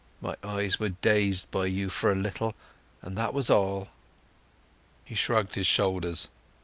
My eyes were dazed by you for a little, and that was all." He shrugged his shoulders.